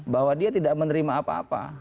bahwa dia tidak menerima apa apa